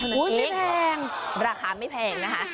แพงราคาไม่แพงนะคะ